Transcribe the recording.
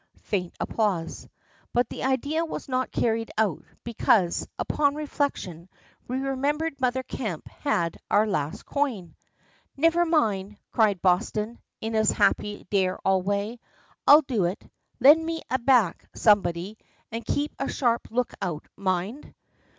Faint applause. But the idea was not carried out, because, upon reflection, we remembered Mother Kemp had our last coin. "Never mind," cried Boston, in his happy dare all way. "I'll do it! Lend me a back, somebody, and keep a sharp look out, mind!"